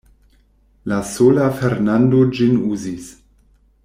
La sola Fernando ĝin uzis.